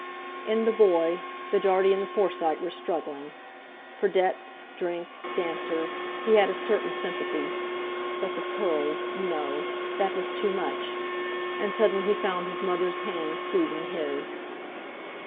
In the boy, the Dartie and the Forsyte were struggling. For debts, drink, dancers, he had a certain sympathy; but the pearls—no! That was too much! And suddenly he found his mother's hand squeezing his.